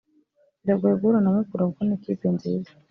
Biragoye guhura na Mukura kuko ni ikipe nziza